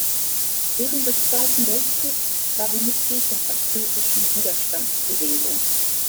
Während des Zweiten Weltkriegs war sie Mitglied der französischen Widerstandsbewegung.